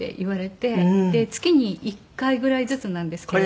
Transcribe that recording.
月に１回ぐらいずつなんですけれども。